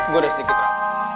gue udah sedikit lah